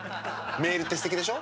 メールってすてきでしょ？